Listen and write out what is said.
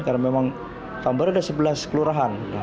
karena memang tambora ada sebelas kelurahan